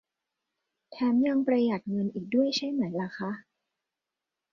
แถมยังประหยัดเงินอีกด้วยใช่ไหมล่ะคะ